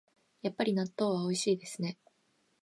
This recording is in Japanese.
やっぱり納豆はおいしいですね